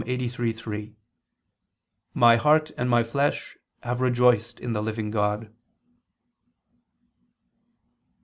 83:3: "My heart and my flesh have rejoiced in the living God."